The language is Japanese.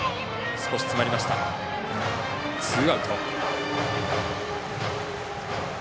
ツーアウト。